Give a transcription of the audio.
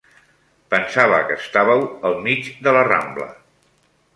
Pensava que estàveu al mig de la Rambla.